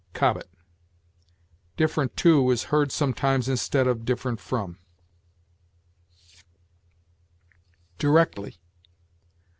Cobbett. Different to is heard sometimes instead of different from. DIRECTLY.